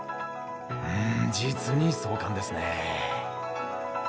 うん実に壮観ですね。